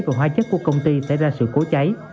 và hóa chất của công ty xảy ra sự cố cháy